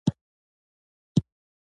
ساده خبره لویه معنا لري.